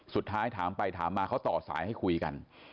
สุดท้ายถามไปถามมาเขาตอบสายให้คุยกัน